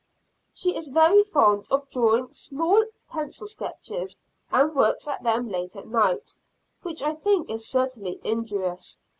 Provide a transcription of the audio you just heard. She is very fond of drawing small pencil sketches, and works at them late at night, which I think is certainly injurious.